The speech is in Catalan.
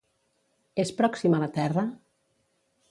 És pròxim a la Terra?